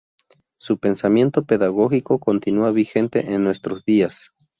Su pensamiento pedagógico continúa vigente en nuestros días.